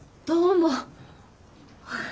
どうも。